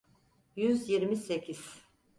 Yüz yirmi sekiz.